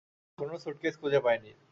কোনো স্যুটকেস খুঁজে পাইনি।